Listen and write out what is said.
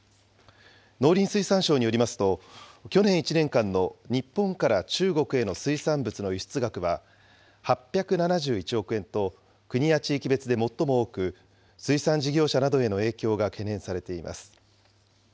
農林水産省によりますと、去年１年間の日本から中国への水産物の輸出額は８７１億円と、国や地域別で最も多く、水産事業者などへの影響が懸念されています。